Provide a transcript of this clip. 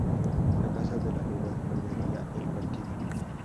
La Casa de la Verdad perdería el partido.